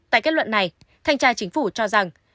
tại kết luận này thanh tra chính phủ cho rằng